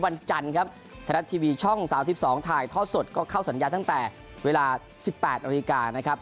วันจันทร์ครับไทยรัฐทีวีช่อง๓๒ถ่ายทอดสดก็เข้าสัญญาณตั้งแต่เวลา๑๘นาฬิกานะครับ